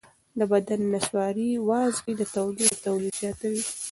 د بدن نسواري وازګې د تودوخې تولید زیاتوي.